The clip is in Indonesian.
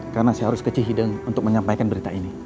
karena saya harus ke cihideng untuk menyampaikan berita ini